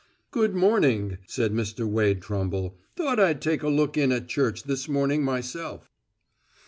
"Good morning," said Mr. Wade Trumble. "Thought I'd take a look in at church this morning myself."